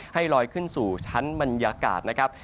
ให้ลอยขึ้นสู่ชั้นบรรยากาศนะครับ